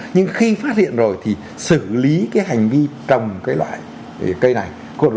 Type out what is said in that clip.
nhưng khi phát hiện rồi thì xử lý cái hành vi trồng cái loại cây này